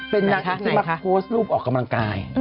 เป็นนางที่มาโพสต์รูปออกกำลังกาย